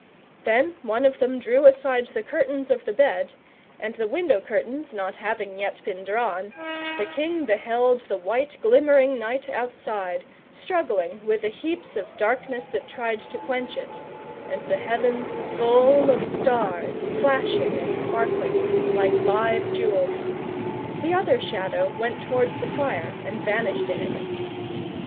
Then one of them drew aside the curtains of the bed, and the window curtains not having been yet drawn, the king beheld the white glimmering night outside, struggling with the heaps of darkness that tried to quench it; and the heavens full of stars, flashing and sparkling like live jewels. The other Shadow went towards the fire and vanished in it.